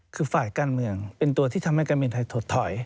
คือฝ่ายการเมืองเป็นตัวที่ทำให้การบินไทยถดถอย